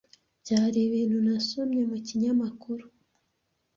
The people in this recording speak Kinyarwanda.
Byari ibintu nasomye mu kinyamakuru.